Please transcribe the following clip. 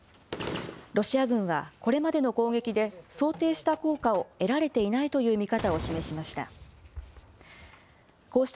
ロシア軍は、これまでの攻撃で想定した効果を得られていないという見方を示しました。